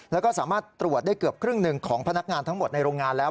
แล้วก็สามารถตรวจได้เกือบครึ่งหนึ่งของพนักงานทั้งหมดในโรงงานแล้ว